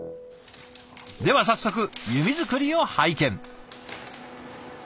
では早速弓作りを拝見。